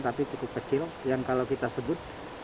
tapi cukup kecil yang kalau kita sebut